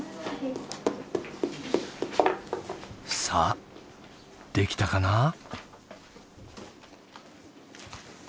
さあできたかな？